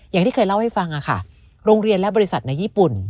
อย่างที่เคยเล่าให้ฟังค่ะโรงเรียนและบริษัทในญี่ปุ่น